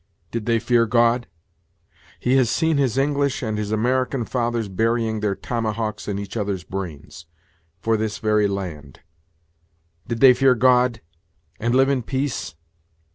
Did they fear God? He has seen his English and his American fathers burying their tomahawks in each other's brains, for this very land. Did they fear God, and live in peace?